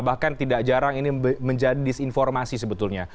bahkan tidak jarang ini menjadi disinformasi sebetulnya